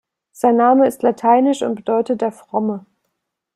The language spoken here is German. Sein Name ist lateinisch und bedeutet „der Fromme“.